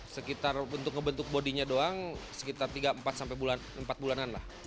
sekitar untuk ngebentuk bodinya doang sekitar tiga empat sampai empat bulanan lah